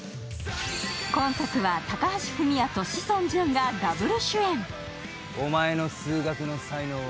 今作は高橋文哉と志尊淳がダブル主演。